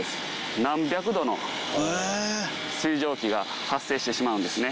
何百℃の水蒸気が発生してしまうんですね。